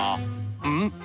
うん？